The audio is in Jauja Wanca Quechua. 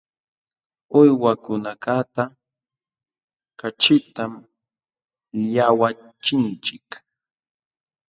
Uywakunakaqta kaćhitam llaqwachinchik.